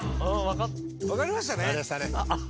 分かりましたね？